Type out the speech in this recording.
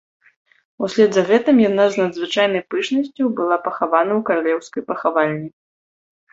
Услед за гэтым яна з надзвычайнай пышнасцю была пахавана ў каралеўскай пахавальні.